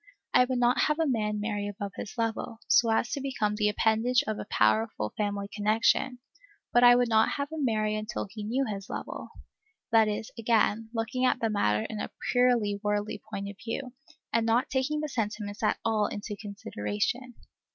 I would not have a man marry above his level, so as to become the appendage of a powerful family connection; but I would not have him marry until he knew his level, that is, again, looking at the matter in a purely worldly point of view, and not taking the sentiments at all into consideration.